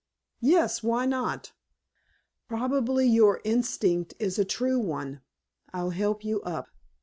"Yes, why not? Probably your instinct is a true one. I'll help you up."